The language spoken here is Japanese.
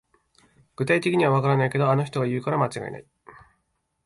具体的にはわからないけど、あの人が言うから間違いない